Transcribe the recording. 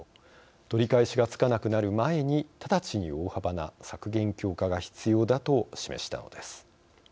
取り返しがつかなくなる前に直ちに大幅な削減強化が必要だと示したのです。